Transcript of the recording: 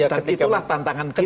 dan itulah tantangan kita